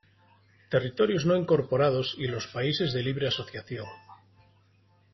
Territorios no incorporados y los países de libre asociación.